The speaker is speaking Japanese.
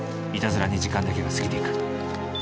いたずらに時間だけが過ぎていく。